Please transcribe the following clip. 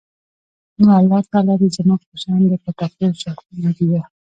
نو الله تعالی دې زموږ په شان د پټاکیو شوقي، نادیده